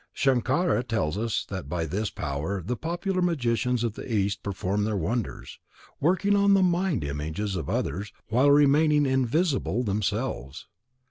Shankara tells us that by this power the popular magicians of the East perform their wonders, working on the mind images of others, while remaining invisible themselves.